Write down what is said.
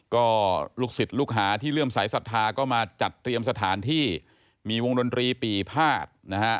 ก็ลูกศิษย์ลูกหาที่เลื่อมสายศรัทธาก็มาจัดเตรียมสถานที่มีวงดนตรีปีภาษนะฮะ